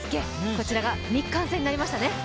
こちらが日韓戦になりましたね。